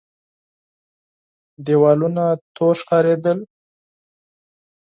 دېوالونه تور ښکارېدل.